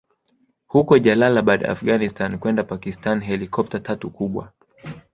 huko Jalalabad Afghanistan kwenda Pakistan Helikopta tatu kubwa